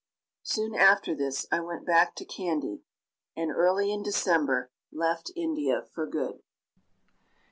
Soon after this I went back to Kandy, and early in December left India for good.